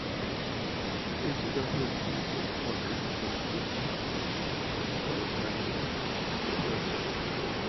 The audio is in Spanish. Es un afloramiento volcánico de tipo calcoalcalino-potásico.